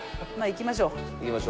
いきましょう。